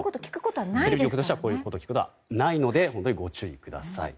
テレビ局としてこんなことを聞くことはないので本当にご注意ください。